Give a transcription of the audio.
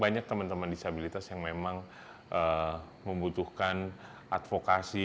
banyak teman teman disabilitas yang memang membutuhkan advokasi